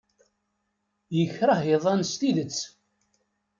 Yekṛeh iḍan s tidet.